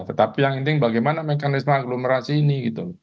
tetapi yang penting bagaimana mekanisme agglomerasi ini